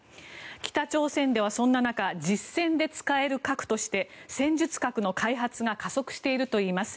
北朝鮮では、そんな中実戦で使える核として戦術核の開発が加速しているといいます。